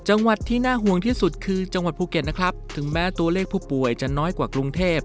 จังหวัดที่น่าห่วงที่สุดคือจังหวัดภูเก็ตนะครับถึงแม้ตัวเลขผู้ป่วยจะน้อยกว่ากรุงเทพ